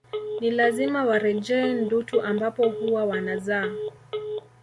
Ni lazima warejee Ndutu ambapo huwa wanazaa